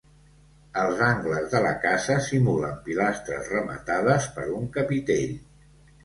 Els angles de la casa simulen pilastres rematades per un capitell.